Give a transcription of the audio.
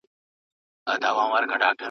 ښکلي ټولي ترهېدلي نن چینه هغسي نه ده !.